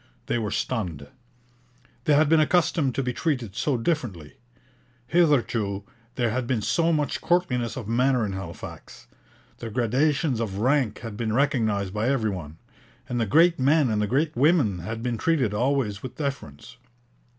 They were stunned. They had been accustomed to be treated so differently. Hitherto there had been so much courtliness of manner in Halifax; the gradations of rank had been recognized by every one; and the great men and the great women had been treated always with deference.